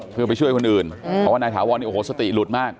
เพื่อไปช่วยคนอื่นเพราะว่านายถาวรเนี่ยโอ้โหสติหลุดมาก